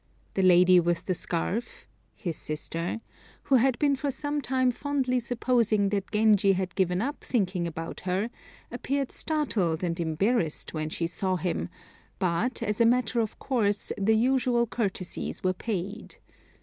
The lady with the scarf (his sister), who had been for some time fondly supposing that Genji had given up thinking about her, appeared startled and embarrassed when she saw him; but, as a matter of course, the usual courtesies were paid.